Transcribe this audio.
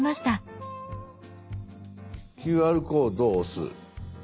「ＱＲコード」を押す。